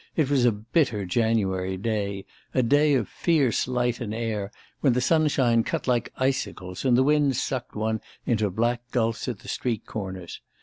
It was a bitter January day, a day of fierce light and air, when the sunshine cut like icicles and the wind sucked one into black gulfs at the street corners.